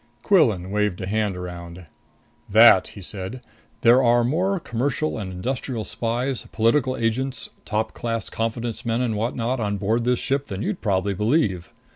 Quillan waved a hand around. "That," he said. "There are more commercial and industrial spies, political agents, top class confidence men and whatnot on board this ship than you'd probably believe.